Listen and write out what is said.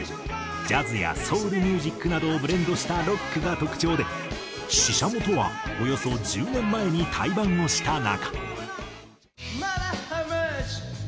ジャズやソウルミュージックなどをブレンドしたロックが特徴でＳＨＩＳＨＡＭＯとはおよそ１０年前に対バンをした仲。